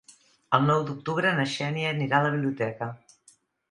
El nou d'octubre na Xènia anirà a la biblioteca.